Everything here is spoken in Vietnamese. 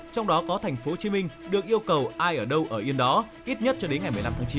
trong đó có tp hcm được yêu cầu ai ở đâu ở yên đó ít nhất cho đến ngày một mươi năm tháng chín